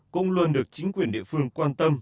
cũng luôn được chính quyền địa phương quan tâm